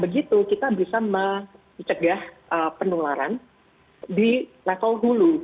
begitu kita bisa mencegah penularan di level hulu